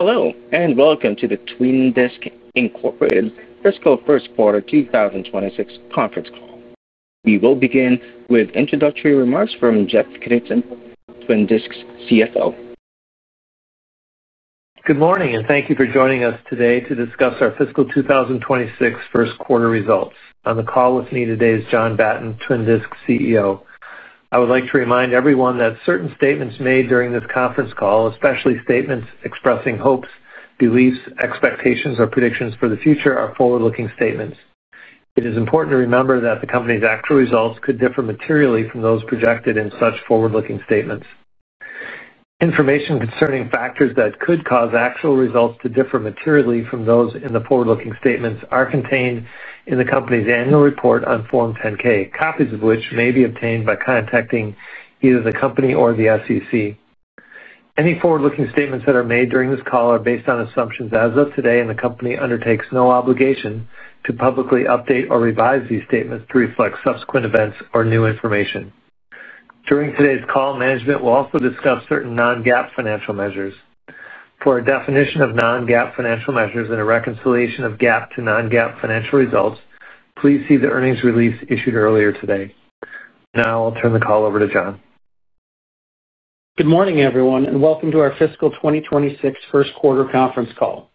Hello, and welcome to the Twin Disc fiscal first quarter 2026 conference call. We will begin with introductory remarks from Jeff Knutson, Twin Disc's CFO. Good morning, and thank you for joining us today to discuss our fiscal 2026 first quarter results. On the call with me today is John Batten, Twin Disc CEO. I would like to remind everyone that certain statements made during this conference call, especially statements expressing hopes, beliefs, expectations, or predictions for the future, are forward-looking statements. It is important to remember that the company's actual results could differ materially from those projected in such forward-looking statements. Information concerning factors that could cause actual results to differ materially from those in the forward-looking statements are contained in the company's annual report on Form 10-K, copies of which may be obtained by contacting either the company or the SEC. Any forward-looking statements that are made during this call are based on assumptions as of today, and the company undertakes no obligation to publicly update or revise these statements to reflect subsequent events or new information. During today's call, management will also discuss certain non-GAAP financial measures. For a definition of non-GAAP financial measures and a reconciliation of GAAP to non-GAAP financial results, please see the earnings release issued earlier today. Now I'll turn the call over to John. Good morning, everyone, and welcome to our fiscal 2026 first quarter conference call.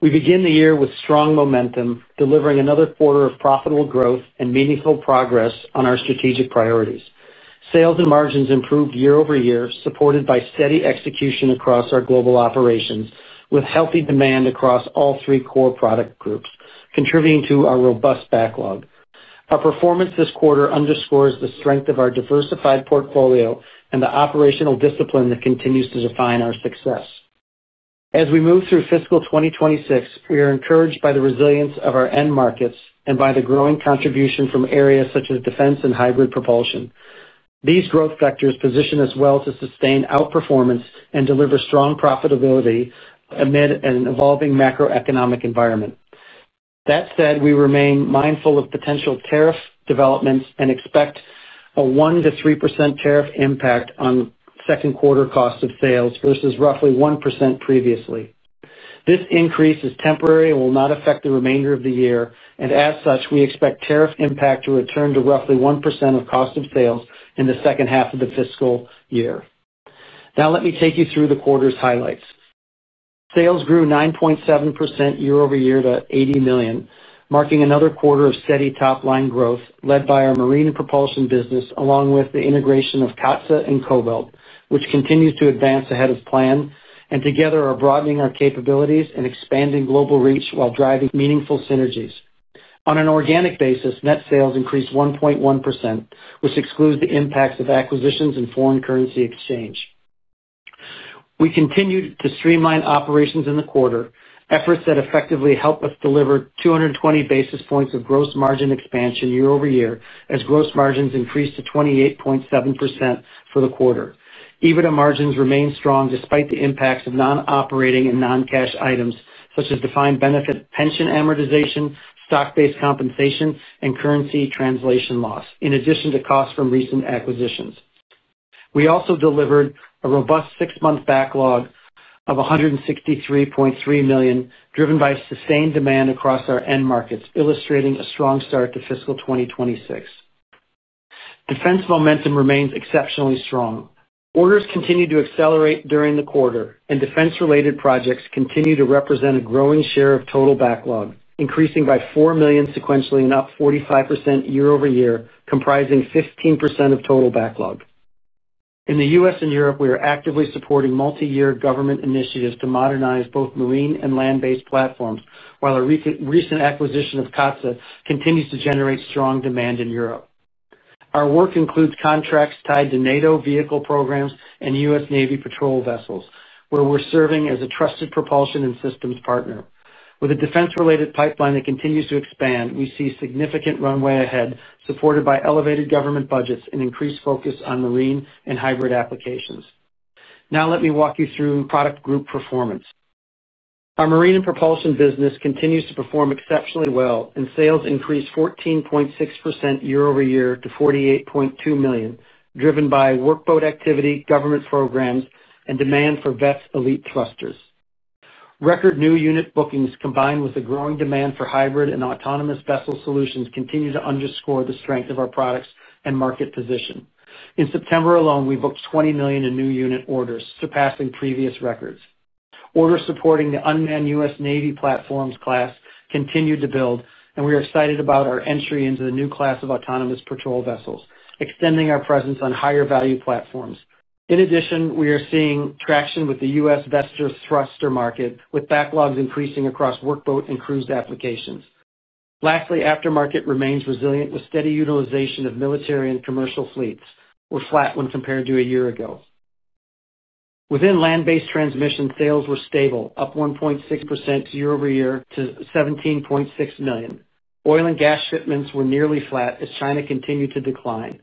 We begin the year with strong momentum, delivering another quarter of profitable growth and meaningful progress on our strategic priorities. Sales and margins improved year-over-year, supported by steady execution across our global operations, with healthy demand across all three core product groups, contributing to our robust backlog. Our performance this quarter underscores the strength of our diversified portfolio and the operational discipline that continues to define our success. As we move through fiscal 2026, we are encouraged by the resilience of our end markets and by the growing contribution from areas such as defense and hybrid propulsion. These growth factors position us well to sustain outperformance and deliver strong profitability amid an evolving macro-economic environment. That said, we remain mindful of potential tariff developments and expect a 1-3% tariff impact on second quarter cost of sales versus roughly 1% previously. This increase is temporary and will not affect the remainder of the year, and as such, we expect tariff impact to return to roughly 1% of cost of sales in the second half of the fiscal year. Now let me take you through the quarter's highlights. Sales grew 9.7% year-over-year to $80 million, marking another quarter of steady top-line growth, led by our Marine Propulsion business, along with the integration of CATSA and Kobelt, which continues to advance ahead of plan, and together are broadening our capabilities and expanding global reach while driving meaningful synergies. On an organic basis, net sales increased 1.1%, which excludes the impacts of acquisitions and foreign currency exchange. We continued to streamline operations in the quarter, efforts that effectively helped us deliver 220 basis points of gross margin expansion year-over-year as gross margins increased to 28.7% for the quarter. EBITDA margins remained strong despite the impacts of non-operating and non-cash items such as defined benefits, pension amortization, stock-based compensation, and currency translation loss, in addition to costs from recent acquisitions. We also delivered a robust six-month backlog of $163.3 million, driven by sustained demand across our end markets, illustrating a strong start to fiscal 2026. Defense momentum remains exceptionally strong. Orders continue to accelerate during the quarter, and defense-related projects continue to represent a growing share of total backlog, increasing by $4 million sequentially and up 45% year-over-year, comprising 15% of total backlog. In the U.S. and Europe, we are actively supporting multi-year government initiatives to modernize both Marine and land-based platforms, while a recent acquisition of CATSA continues to generate strong demand in Europe. Our work includes contracts tied to NATO vehicle programs and U.S. Navy patrol vessels, where we're serving as a trusted propulsion and systems partner. With a defense-related pipeline that continues to expand, we see significant runway ahead, supported by elevated government budgets and increased focus on Marine and hybrid applications. Now let me walk you through product group performance. Our Marine and Propulsion business continues to perform exceptionally well, and sales increased 14.6% year-over-year to $48.2 million, driven by workboat activity, government programs, and demand for Veth elite thrusters. Record new unit bookings, combined with the growing demand for hybrid and autonomous vessel solutions, continue to underscore the strength of our products and market position. In September alone, we booked $20 million in new unit orders, surpassing previous records. Orders supporting the unmanned U.S. Navy platforms class continued to build, and we are excited about our entry into the new class of autonomous patrol vessels, extending our presence on higher-value platforms. In addition, we are seeing traction with the U.S. VESTR thruster market, with backlogs increasing across workboat and cruise applications. Lastly, aftermarket remains resilient with steady utilization of military and commercial fleets. We're flat when compared to a year ago. Within land-based transmission, sales were stable, up 1.6% year-over-year to $17.6 million. Oil and gas shipments were nearly flat as China continued to decline.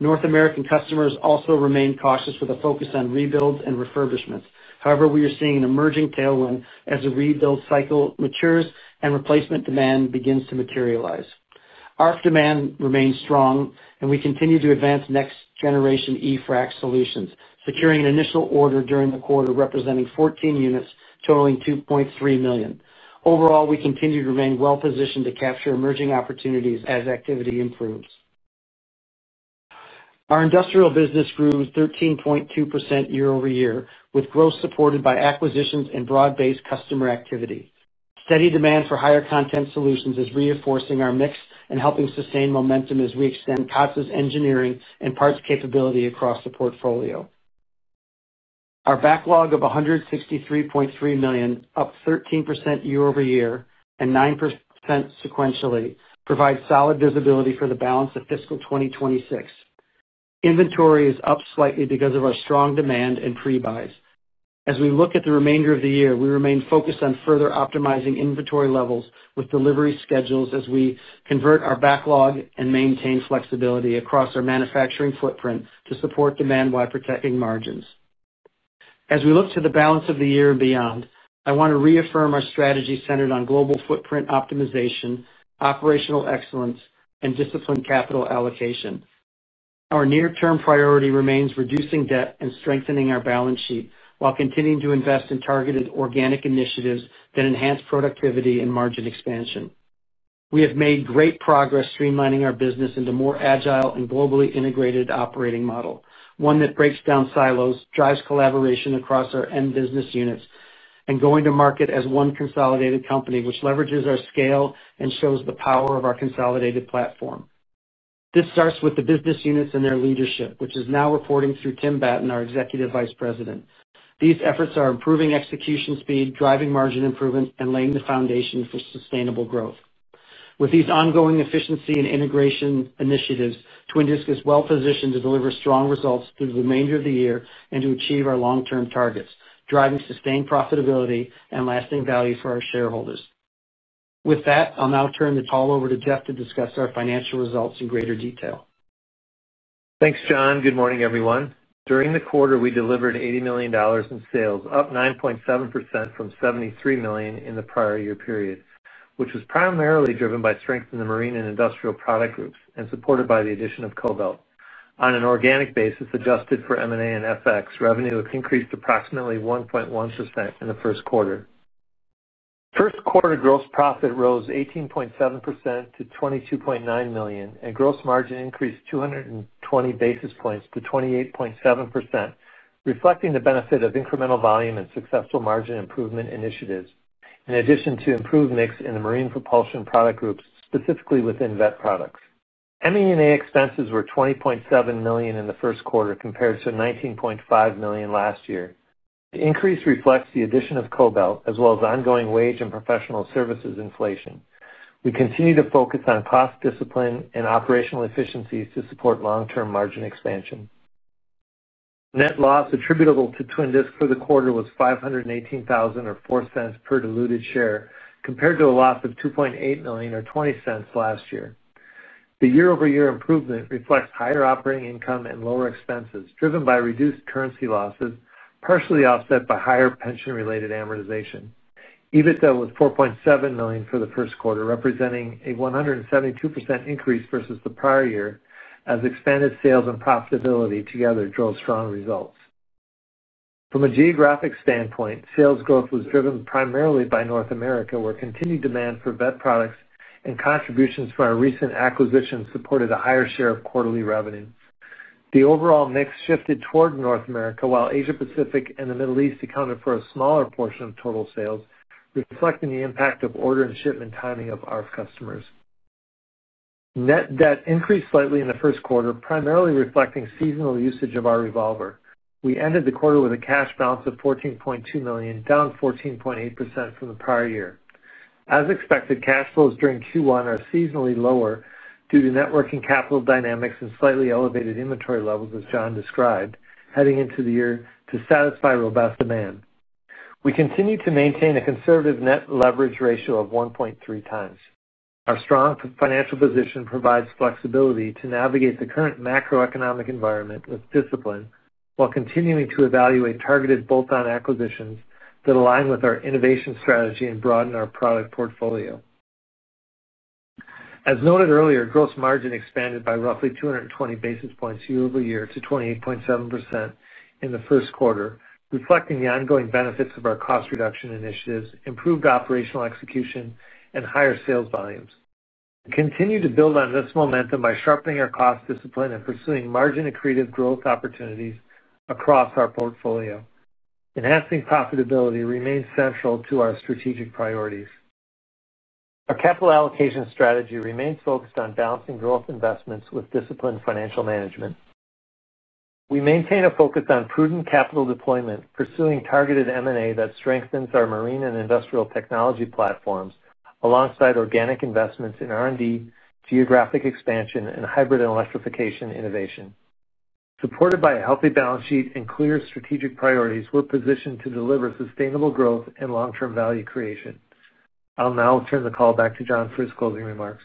North American customers also remained cautious with a focus on rebuilds and refurbishments. However, we are seeing an emerging tailwind as the rebuild cycle matures and replacement demand begins to materialize. ARC demand remains strong, and we continue to advance next-generation E-frac solutions, securing an initial order during the quarter representing 14 units totaling $2.3 million. Overall, we continue to remain well-positioned to capture emerging opportunities as activity improves. Our industrial business grew 13.2% year-over-year, with growth supported by acquisitions and broad-based customer activity. Steady demand for higher-content solutions is reinforcing our mix and helping sustain momentum as we extend CASTA's engineering and parts capability across the portfolio. Our backlog of $163.3 million, up 13% year-over-year and 9% sequentially, provides solid visibility for the balance of fiscal 2026. Inventory is up slightly because of our strong demand and pre-buys. As we look at the remainder of the year, we remain focused on further optimizing inventory levels with delivery schedules as we convert our backlog and maintain flexibility across our manufacturing footprint to support demand while protecting margins. As we look to the balance of the year and beyond, I want to reaffirm our strategy centered on global footprint optimization, operational excellence, and disciplined capital allocation. Our near-term priority remains reducing debt and strengthening our balance sheet while continuing to invest in targeted organic initiatives that enhance productivity and margin expansion. We have made great progress streamlining our business into a more agile and globally integrated operating model, one that breaks down silos, drives collaboration across our end business units, and goes to market as one consolidated company, which leverages our scale and shows the power of our consolidated platform. This starts with the business units and their leadership, which is now reporting through Tim Batten, our Executive Vice President. These efforts are improving execution speed, driving margin improvement, and laying the foundation for sustainable growth. With these ongoing efficiency and integration initiatives, Twin Disc is well-positioned to deliver strong results through the remainder of the year and to achieve our long-term targets, driving sustained profitability and lasting value for our shareholders. With that, I'll now turn the call over to Jeff to discuss our financial results in greater detail. Thanks, John. Good morning, everyone. During the quarter, we delivered $80 million in sales, up 9.7% from $73 million in the prior year period, which was primarily driven by strength in the Marine and Industrial product groups and supported by the addition of Kobelt. On an organic basis, adjusted for M&A and FX, revenue has increased approximately 1.1% in the first quarter. First quarter gross profit rose 18.7% to $22.9 million, and gross margin increased 220 basis points to 28.7%, reflecting the benefit of incremental volume and successful margin improvement initiatives, in addition to improved mix in the Marine Propulsion product groups, specifically within Veth products. ME&A expenses were $20.7 million in the first quarter, compared to $19.5 million last year. The increase reflects the addition of Kobelt, as well as ongoing wage and professional services inflation. We continue to focus on cost discipline and operational efficiencies to support long-term margin expansion. Net loss attributable to Twin Disc for the quarter was $518.04 per diluted share, compared to a loss of $2.8 million or $0.20 last year. The year-over-year improvement reflects higher operating income and lower expenses, driven by reduced currency losses, partially offset by higher pension-related amortization. EBITDA was $4.7 million for the first quarter, representing a 172% increase versus the prior year, as expanded sales and profitability together drove strong results. From a geographic standpoint, sales growth was driven primarily by North America, where continued demand for Veth products and contributions from our recent acquisition supported a higher share of quarterly revenue. The overall mix shifted toward North America, while Asia Pacific and the Middle East accounted for a smaller portion of total sales, reflecting the impact of order and shipment timing of our customers. Net debt increased slightly in the first quarter, primarily reflecting seasonal usage of our revolver. We ended the quarter with a cash balance of $14.2 million, down 14.8% from the prior year. As expected, Cash flows during Q1 are seasonally lower due to networking capital dynamics and slightly elevated inventory levels, as John described, heading into the year to satisfy robust demand. We continue to maintain a conservative net leverage ratio of 1.3x. Our strong financial position provides flexibility to navigate the current macro-economic environment with discipline while continuing to evaluate targeted bolt-on acquisitions that align with our innovation strategy and broaden our product portfolio. As noted earlier, gross margin expanded by roughly 220 basis points year-over-year to 28.7% in the first quarter, reflecting the ongoing benefits of our cost reduction initiatives, improved operational execution, and higher sales volumes. We continue to build on this momentum by sharpening our cost discipline and pursuing margin-accretive growth opportunities across our portfolio. Enhancing profitability remains central to our strategic priorities. Our capital allocation strategy remains focused on balancing growth investments with disciplined financial management. We maintain a focus on prudent capital deployment, pursuing targeted M&A that strengthens our Marine and industrial technology platforms alongside organic investments in R&D, geographic expansion, and hybrid and electrification innovation. Supported by a healthy balance sheet and clear strategic priorities, we're positioned to deliver sustainable growth and long-term value creation. I'll now turn the call back to John for his closing remarks.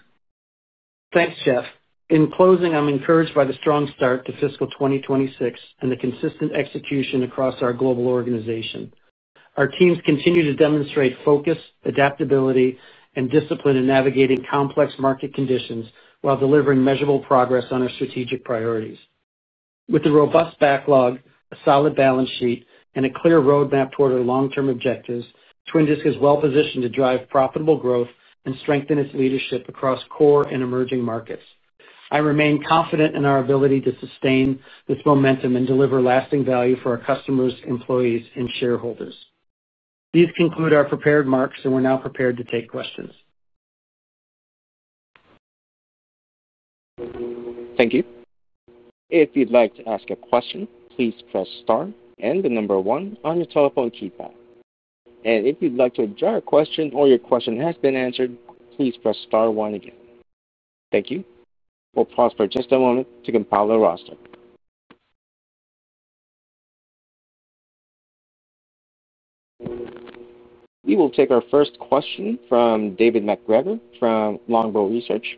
Thanks, Jeff. In closing, I'm encouraged by the strong start to fiscal 2026 and the consistent execution across our global organization. Our teams continue to demonstrate focus, adaptability, and discipline in navigating complex market conditions while delivering measurable progress on our strategic priorities. With a robust backlog, a solid balance sheet, and a clear roadmap toward our long-term objectives, Twin Disc is well-positioned to drive profitable growth and strengthen its leadership across core and emerging markets. I remain confident in our ability to sustain this momentum and deliver lasting value for our customers, employees, and shareholders. These conclude our prepared marks, and we're now prepared to take questions. Thank you. If you'd like to ask a question, please press star and the number one on your telephone keypad. If you'd like to drop a question or your question has been answered, please press star one again. Thank you. We'll pause for just a moment to compile the roster. We will take our first question from David McGregor from Longbow Research.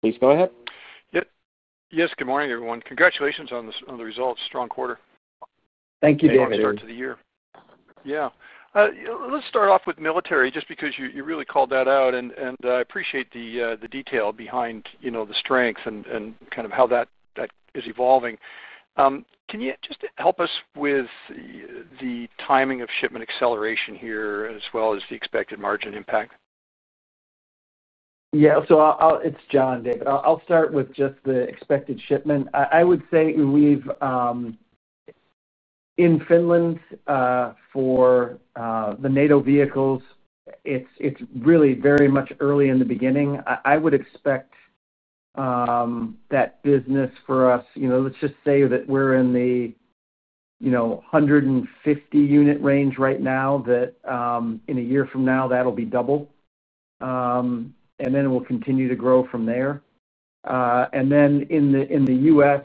Please go ahead. Yes. Good morning, everyone. Congratulations on the results. Strong quarter. Thank you, David. Great start to the year. Yeah. Let's start off with military just because you really called that out, and I appreciate the detail behind the strengths and kind of how that is evolving. Can you just help us with the timing of shipment acceleration here as well as the expected margin impact? Yeah. So it's John, David. I'll start with just the expected shipment. I would say we've, in Finland, for the NATO vehicles, it's really very much early in the beginning. I would expect that business for us, let's just say that we're in the 150-unit range right now, that in a year from now, that'll be double, and then it will continue to grow from there. In the U.S.,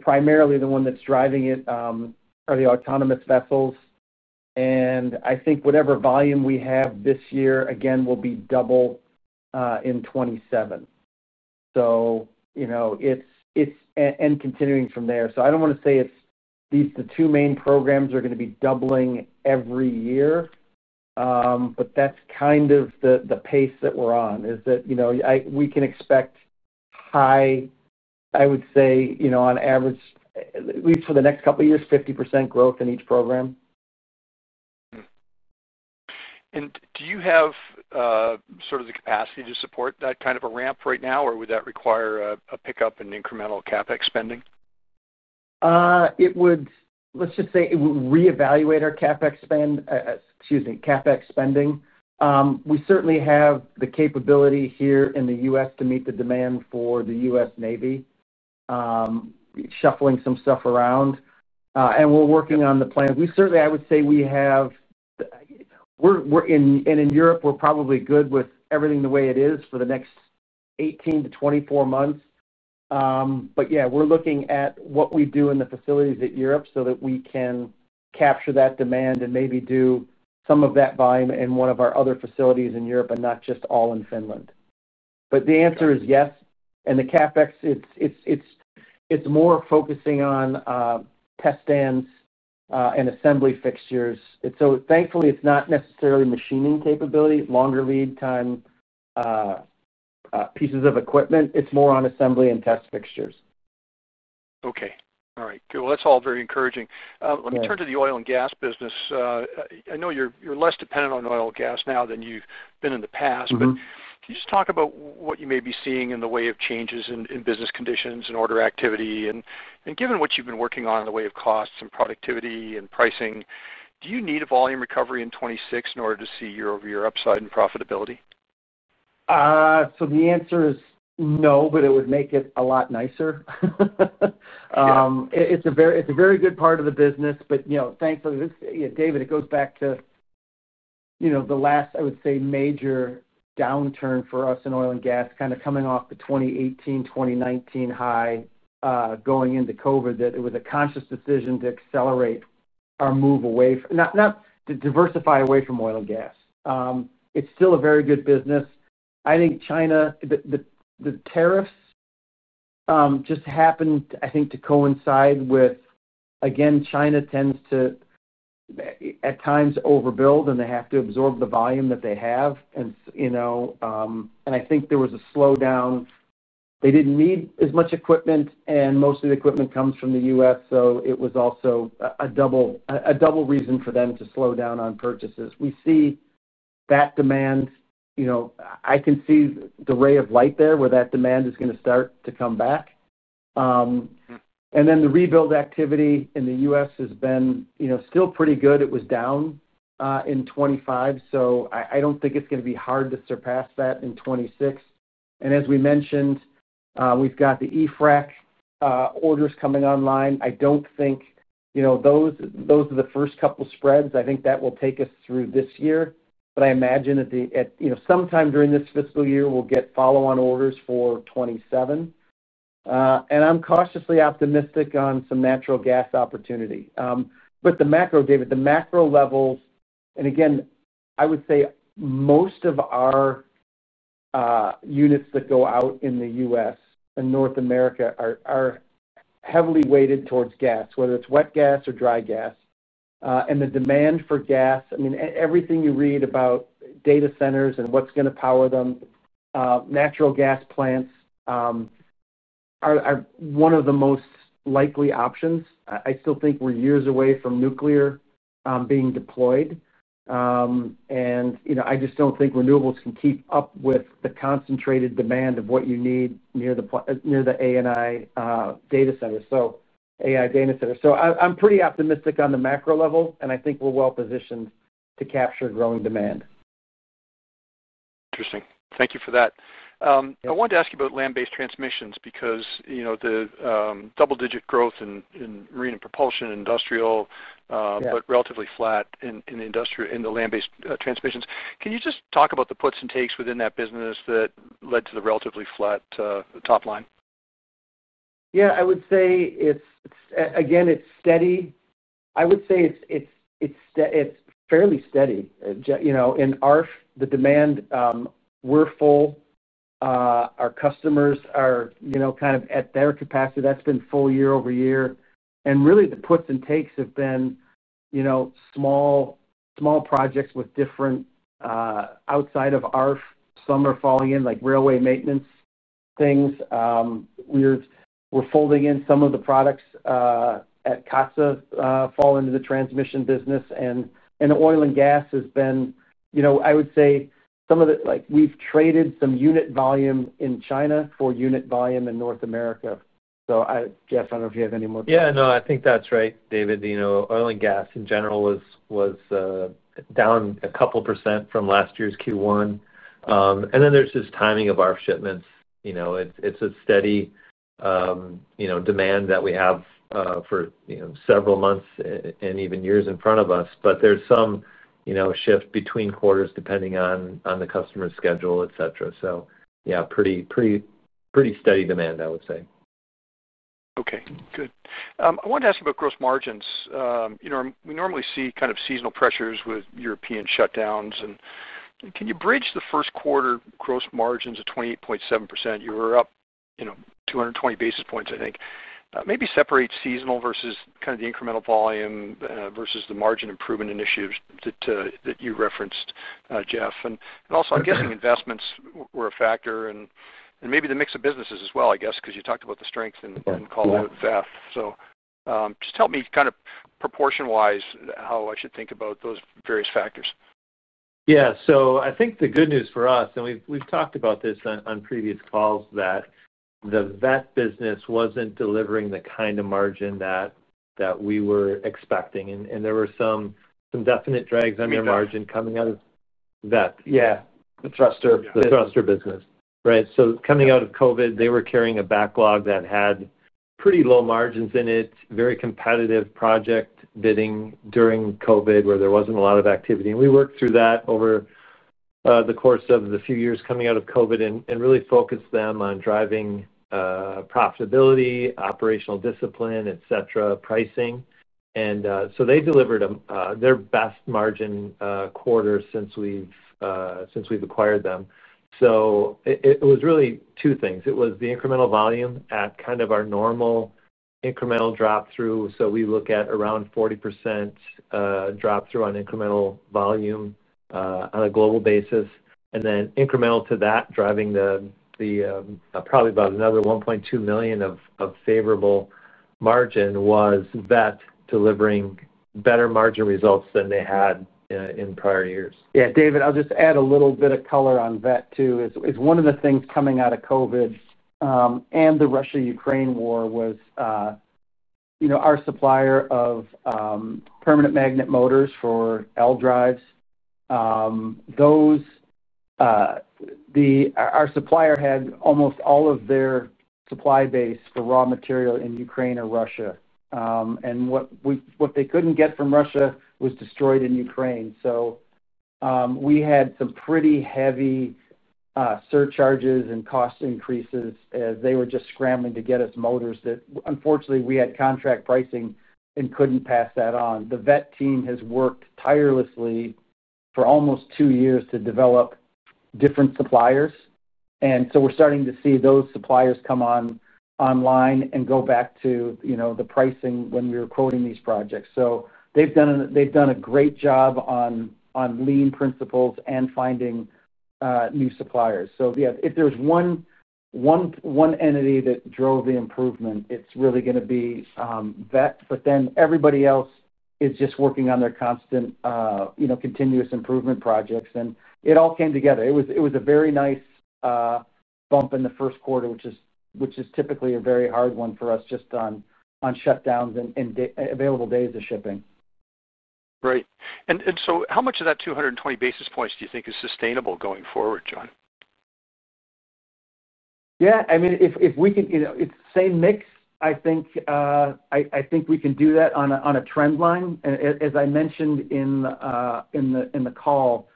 primarily the one that's driving it are the autonomous vessels. I think whatever volume we have this year, again, will be double in 2027. It's continuing from there. I don't want to say these are the two main programs that are going to be doubling every year, but that's kind of the pace that we're on, is that we can expect. High, I would say, on average, at least for the next couple of years, 50% growth in each program. Do you have sort of the capacity to support that kind of a ramp right now, or would that require a pickup in incremental CapEx spending? Let's just say it would reevaluate our CapEx spend. Excuse me, CapEx spending. We certainly have the capability here in the U.S. to meet the demand for the U.S. Navy. Shuffling some stuff around. We are working on the plan. Certainly, I would say we have. In Europe, we are probably good with everything the way it is for the next 18-24 months. Yeah, we are looking at what we do in the facilities at Europe so that we can capture that demand and maybe do some of that volume in one of our other facilities in Europe and not just all in Finland. The answer is yes. The CapEx, it is more focusing on test stands and assembly fixtures. Thankfully, it is not necessarily machining capability, longer lead time pieces of equipment. It is more on assembly and test fixtures. Okay. All right. Good. That is all very encouraging. Let me turn to the oil and gas business. I know you are less dependent on oil and gas now than you have been in the past, but can you just talk about what you may be seeing in the way of changes in business conditions and order activity? Given what you have been working on in the way of costs and productivity and pricing, do you need a volume recovery in 2026 in order to see year-over-year upside in profitability? The answer is no, but it would make it a lot nicer. It's a very good part of the business, but thankfully, David, it goes back to the last, I would say, major downturn for us in oil and gas, kind of coming off the 2018-2019 high going into COVID, that it was a conscious decision to accelerate our move away from, not to diversify away from, oil and gas. It's still a very good business. I think China, the tariffs just happened, I think, to coincide with, again, China tends to at times overbuild, and they have to absorb the volume that they have. I think there was a slowdown. They did not need as much equipment, and most of the equipment comes from the US, so it was also a double reason for them to slow down on purchases. We see that demand. I can see the ray of light there where that demand is going to start to come back. The rebuild activity in the U.S. has been still pretty good. It was down in 2025, so I do not think it is going to be hard to surpass that in 2026. As we mentioned, we have got the E-frac orders coming online. I do not think those are the first couple of spreads. I think that will take us through this year, but I imagine at some time during this fiscal year, we will get follow-on orders for 2027. I am cautiously optimistic on some natural gas opportunity. The macro, David, the macro levels, and again, I would say most of our units that go out in the U.S. and North America are heavily weighted towards gas, whether it is wet gas or dry gas. The demand for gas, I mean, everything you read about data centers and what's going to power them, natural gas plants are one of the most likely options. I still think we're years away from nuclear being deployed. I just don't think renewables can keep up with the concentrated demand of what you need near the AI data center. I'm pretty optimistic on the macro level, and I think we're well-positioned to capture growing demand. Interesting. Thank you for that. I wanted to ask you about land-based transmissions because the double-digit growth in Marine and Propulsion industrial, but relatively flat in the land-based transmissions. Can you just talk about the puts and takes within that business that led to the relatively flat top line? Yeah. I would say again, it's steady. I would say it's fairly steady. In ARF, the demand, we're full. Our customers are kind of at their capacity. That's been full year-over-year. Really, the puts and takes have been small. Projects with different, outside of ARF, some are falling in like railway maintenance things. We're folding in some of the products at CATSA fall into the transmission business. Oil and gas has been, I would say, some of the, we've traded some unit volume in China for unit volume in North America. Jeff, I don't know if you have any more questions. Yeah. No, I think that's right, David. Oil and gas, in general, was down a couple percent from last year's Q1. And then there's just timing of our shipments. It's a steady demand that we have for several months and even years in front of us, but there's some shift between quarters depending on the customer's schedule, etc. Yeah, pretty steady demand, I would say. Okay. Good. I wanted to ask you about gross margins. We normally see kind of seasonal pressures with European shutdowns. Can you bridge the first quarter gross margins at 28.7%? You were up 220 basis points, I think. Maybe separate seasonal versus kind of the incremental volume versus the margin improvement initiatives that you referenced, Jeff. Also, I'm guessing investments were a factor and maybe the mix of businesses as well, I guess, because you talked about the strength and callout of that. Just help me kind of proportion-wise how I should think about those various factors. Yeah. I think the good news for us, and we've talked about this on previous calls, is that the Veth business was not delivering the kind of margin that we were expecting. There were some definite drags on their margin coming out of Veth. Yeah. The thruster. The thruster business. Right. Coming out of COVID, they were carrying a backlog that had pretty low margins in it, very competitive project bidding during COVID where there was not a lot of activity. We worked through that over the course of the few years coming out of COVID and really focused them on driving profitability, operational discipline, etc., pricing. They delivered their best margin quarter since we have acquired them. It was really two things. It was the incremental volume at kind of our normal incremental drop-through. We look at around 40% drop-through on incremental volume on a global basis. Incremental to that, driving probably about another $1.2 million of favorable margin was Veth delivering better margin results than they had in prior years. Yeah. David, I'll just add a little bit of color on Veth too. It's one of the things coming out of COVID. The Russia-Ukraine war was our supplier of permanent magnet motors for L drives. Our supplier had almost all of their supply base for raw material in Ukraine or Russia, and what they couldn't get from Russia was destroyed in Ukraine. We had some pretty heavy surcharges and cost increases as they were just scrambling to get us motors that, unfortunately, we had contract pricing and couldn't pass that on. The Veth Team has worked tirelessly for almost two years to develop different suppliers, and we're starting to see those suppliers come online and go back to the pricing when we were quoting these projects. They've done a great job on lean principles and finding new suppliers. Yeah, if there's one entity that drove the improvement, it's really going to be Veth. Everybody else is just working on their constant continuous improvement projects. It all came together. It was a very nice bump in the first quarter, which is typically a very hard one for us just on shutdowns and available days of shipping. Great. How much of that 220 basis points do you think is sustainable going forward, John? Yeah. I mean, if we can, it's the same mix, I think. We can do that on a trend line. As I mentioned in the call,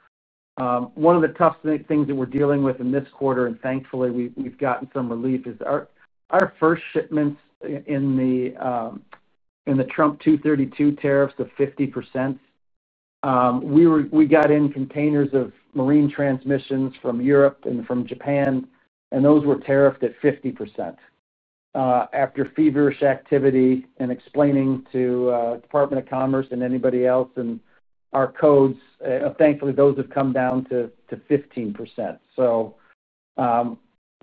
one of the toughest things that we're dealing with in this quarter, and thankfully, we've gotten some relief, is our first shipments in the Trump 232 tariffs of 50%. We got in containers of Marine transmissions from Europe and from Japan, and those were tariffed at 50%. After feverish activity and explaining to the Department of Commerce and anybody else and our codes, thankfully, those have come down to 15%.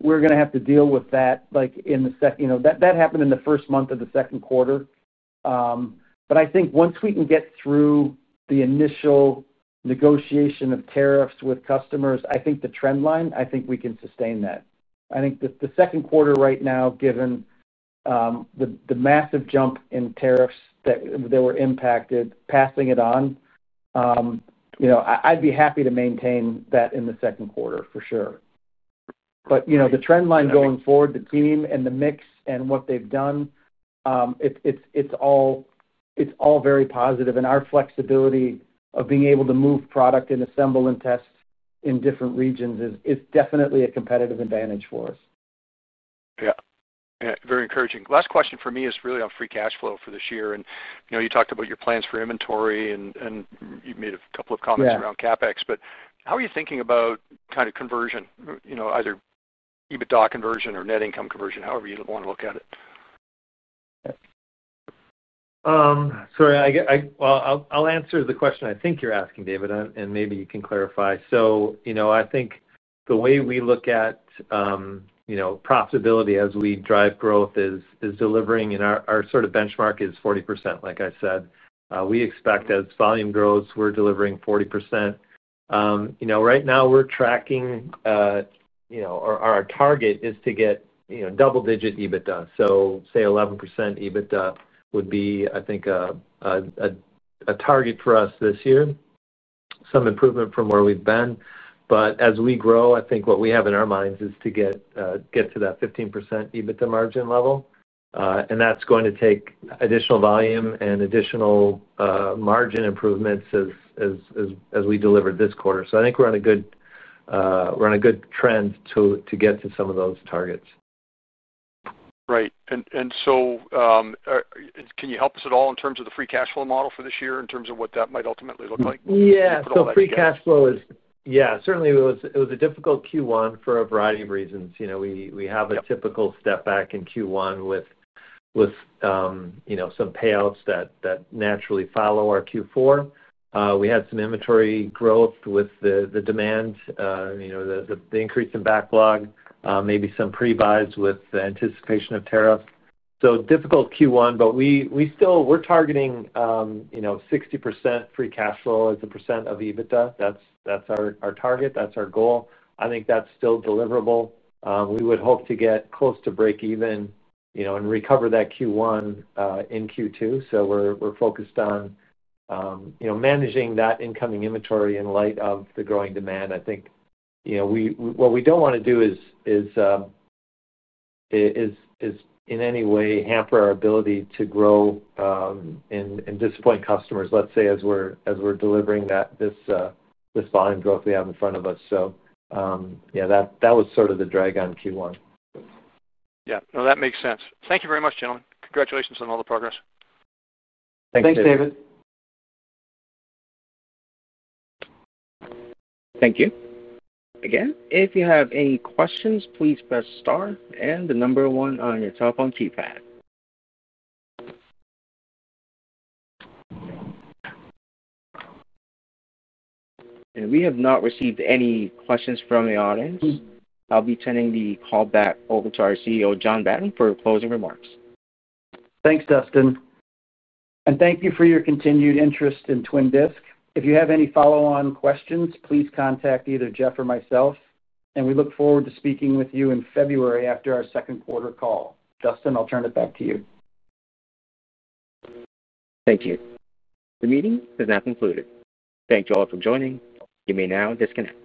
We're going to have to deal with that in the second. That happened in the first month of the second quarter. I think once we can get through the initial negotiation of tariffs with customers, I think the trend line, I think we can sustain that. I think the second quarter right now, given the massive jump in tariffs that were impacted, passing it on. I'd be happy to maintain that in the second quarter, for sure. The trend line going forward, the team and the mix and what they've done, it's all very positive. Our flexibility of being able to move product and assemble and test in different regions is definitely a competitive advantage for us. Yeah. Yeah. Very encouraging. Last question for me is Free Cash Flow for this year. You talked about your plans for inventory, and you made a couple of comments around CapEx, but how are you thinking about kind of conversion, either EBITDA conversion or net income conversion, however you want to look at it? Sorry. I'll answer the question I think you're asking, David, and maybe you can clarify. I think the way we look at profitability as we drive growth is delivering, and our sort of benchmark is 40%, like I said. We expect as volume grows, we're delivering 40%. Right now, we're tracking. Our target is to get double-digit EBITDA. Say 11% EBITDA would be, I think, a target for us this year. Some improvement from where we've been. As we grow, I think what we have in our minds is to get to that 15% EBITDA margin level. That's going to take additional volume and additional margin improvements, as we delivered this quarter. I think we're on a good trend to get to some of those targets. Right. Can you help us at all in terms Free Cash Flow model for this year, in terms of what that might ultimately look like? Free Cash Flow is, yeah, certainly, it was a difficult Q1 for a variety of reasons. We have a typical step back in Q1 with some payouts that naturally follow our Q4. We had some inventory growth with the demand. The increase in backlog, maybe some pre-buys with anticipation of tariffs. Difficult Q1, but we're Free Cash Flow as a percent of EBITDA. That's our target. That's our goal. I think that's still deliverable. We would hope to get close to break even and recover that Q1 in Q2. We're focused on managing that incoming inventory in light of the growing demand. I think what we don't want to do is in any way hamper our ability to grow and disappoint customers, let's say, as we're delivering this volume growth we have in front of us. Yeah, that was sort of the drag on Q1. Yeah. No, that makes sense. Thank you very much, gentlemen. Congratulations on all the progress. Thanks, David. Thanks, David. Thank you. Again, if you have any questions, please press star and the number one on your telephone keypad. We have not received any questions from the audience. I'll be turning the call back over to our CEO, John Batten, for closing remarks. Thanks, Dustin. Thank you for your continued interest in Twin Disc. If you have any follow-on questions, please contact either Jeff or myself. We look forward to speaking with you in February after our second quarter call. Dustin, I'll turn it back to you. Thank you. The meeting is now concluded. Thank you all for joining. You may now disconnect.